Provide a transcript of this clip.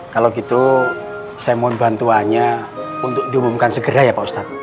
kalau gitu saya mohon bantuannya untuk diumumkan segera ya pak ustadz